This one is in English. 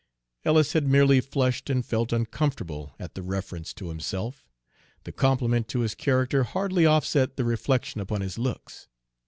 Ellis had merely flushed and felt uncomfortable at the reference to himself. The compliment to his character hardly offset the reflection upon his looks.